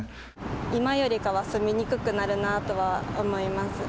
今よりかは住みにくくなるなとは思います。